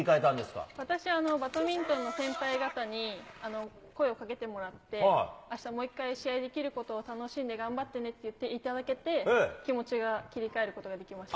私はバドミントンの先輩方に声をかけてもらって、あした、もう一回試合できることを楽しんで頑張ってねって言っていただけて、気持ちが切り替えることができました。